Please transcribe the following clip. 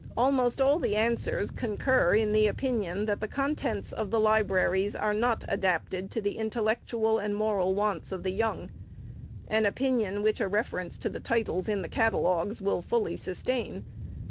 Almost all the answers concur in the opinion, that the contents of the libraries are not adapted to the intellectual and moral wants of the young, — an opinion, which a reference to the titles, in the catalogues, will fully sustain.